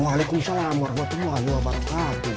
waalaikumsalam warahmatullahi wabarakatuh